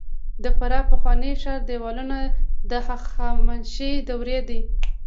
د فراه د پخواني ښار دیوالونه د هخامنشي دورې دي